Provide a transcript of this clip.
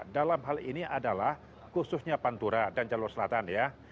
dalam hal ini adalah khususnya pantura dan jalur selatan ya